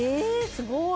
すごい！